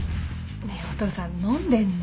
ねぇお父さん飲んでんの？